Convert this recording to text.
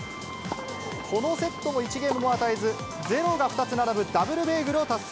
このセットも１ゲームも与えず、ゼロが２つ並ぶダブルベーグルを達成。